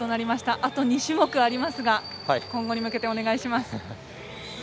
あと２種目ありますが今後に向けてお願いします。